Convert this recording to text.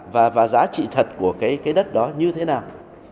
và giá trị thật của cái đất đó như thế nào